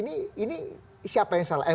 ini siapa yang salah